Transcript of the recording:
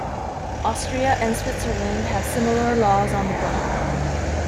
Austria and Switzerland have similar laws on the book.